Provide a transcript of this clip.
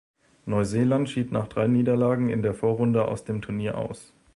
Neuseeland schied nach drei Niederlagen in der Vorrunde aus dem Turnier aus.